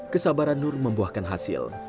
kesabaran nur membuahkan hasil